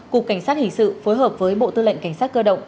cục cảnh sát hình sự phối hợp với bộ tư lệnh cảnh sát cơ động